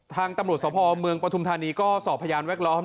ทางตำรวจสาวพอบ์มวงประธุมฐานีก็สอบพยานแวคล้อม